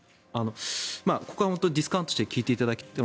ここはディスカウントして聞いていただきたい